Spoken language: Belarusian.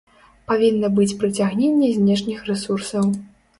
Павінна быць прыцягненне знешніх рэсурсаў.